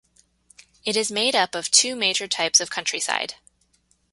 It is made up of two major types of countryside.